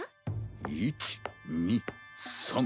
１２３。